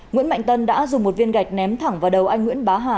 nguyễn mạnh tân đã dùng một viên gạch ném thẳng vào đầu anh nguyễn bá hà